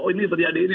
oh ini terjadi ini